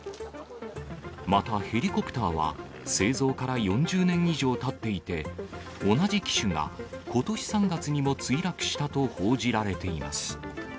また、ヘリコプターは、製造から４０年以上たっていて、同じ機種がことし３月にも墜落したと報じられています。